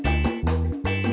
panji untuk kerja